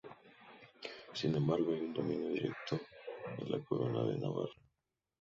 Sin embargo, hay un dominio directo de la corona de Navarra.